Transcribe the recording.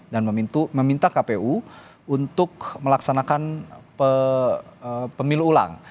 dan meminta kpu untuk melaksanakan pemilu ulang